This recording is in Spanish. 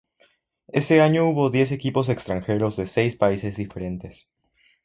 Ese año hubo diez equipos extranjeros de seis países diferentes.